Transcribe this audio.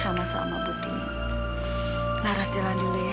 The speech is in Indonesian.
sama sama putini laras jalan dulu ya